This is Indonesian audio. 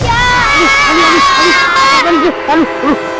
aduh aduh aduh